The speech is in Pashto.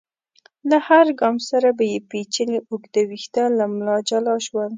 له هر ګام سره به يې پيچلي اوږده ويښته له ملا جلا شول.